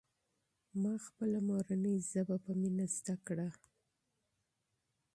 ما خپله مورنۍ ژبه په مینه زده کړه.